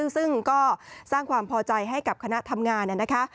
ซึ่งก็สร้างความพอใจให้กับคณะทำงาน